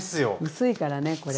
薄いからねこれ。